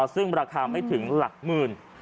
ซึ่งราคาไม่ถึงหลักหมื่น